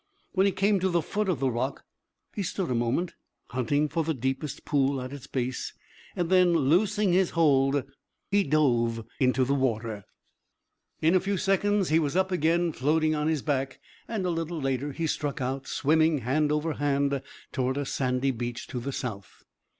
When he came to the foot of the rock he stood a moment, hunting for the deepest pool at its base, then, loosing his hold, he dove into the water. In a few seconds he was up again, floating on his back; and a little later he struck out, swimming hand over hand, toward a sandy beach to the south.